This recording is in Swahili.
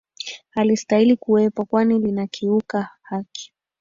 halistahili kuwepo kwani linakiuka haki